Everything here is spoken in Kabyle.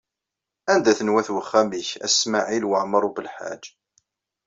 Anda-ten wat uxxam-ik a Smawil Waɛmaṛ U Belḥaǧ?